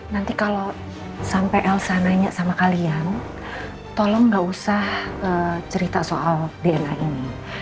nanti kalau sampai elsa nanya sama kalian tolong nggak usah cerita soal dna ini